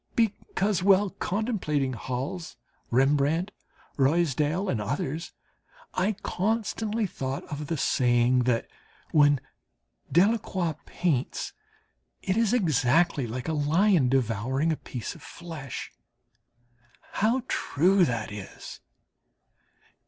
Because, while contemplating Hals, Rembrandt, Ruysdael, and others, I constantly thought of the saying, that when Delacroix paints, it is exactly like a lion devouring a piece of flesh. How true that is!